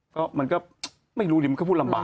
ก็มันก็ไม่รู้ดิมันก็พูดลำบาก